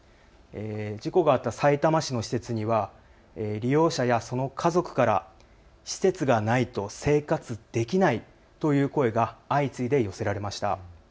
事故があったさいたま市の施設には利用者やその家族から施設がないと生活できないという声が相次いで寄せられました。